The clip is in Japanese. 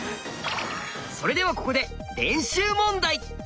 それではここで練習問題。